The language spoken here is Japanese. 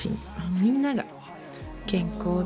みんなが健康で。